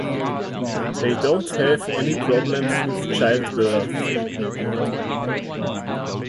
They do not have problems with childbirth.